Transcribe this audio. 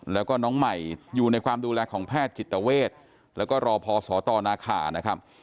แล้วก็น้องใหม่อยู่ในความดูแลของแพทย์จิตเวทแล้วก็รอพอสตนาคานะครับ